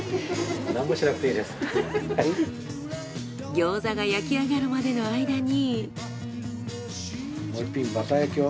餃子が焼き上がるまでの間に。